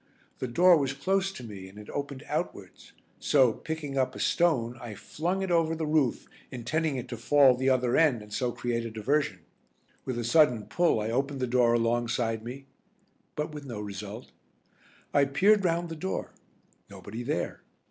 The door was close to me and it opened outwards, so picking up a stone I flung it over the roof, intending it to fall the other end and so create a diversion. With a sudden pull I opened the door alongside me, but with no result. I peered round the door; nobody there.